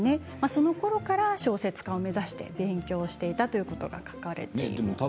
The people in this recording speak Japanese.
そのころから小説家を目指して勉強していたということが書かれています。